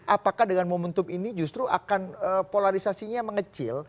apakah dengan momentum ini justru akan polarisasinya mengecil